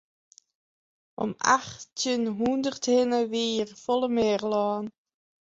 Om achttjin hûndert hinne wie hjir folle mear lân.